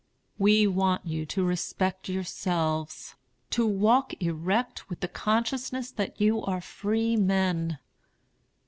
] "We want you to respect yourselves; to walk erect, with the consciousness that you are free men.